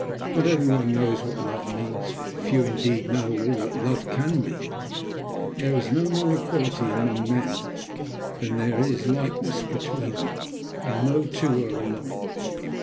Not every one knows what love means; few indeed know all that love can mean. There is no more equality among men than there is likeness between them, and no two are alike.